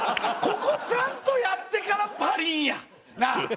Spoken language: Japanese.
ここちゃんとやってからパリーンや。なあ？